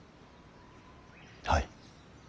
はい。